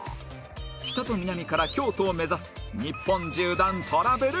北と南から京都を目指す日本縦断トラベルクイズ